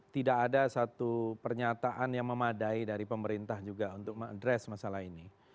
tidak ada satu pernyataan yang memadai dari pemerintah juga untuk mengadres masalah ini